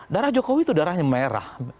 darah jokowi itu darahnya merah